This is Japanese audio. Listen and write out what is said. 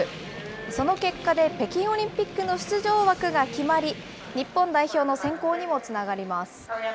その結果で北京オリンピックの出場枠が決まり、日本代表の選考にもつながります。